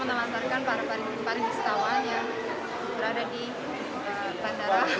dan akibatnya bisa menelansarkan para wisatawan yang berada di bandara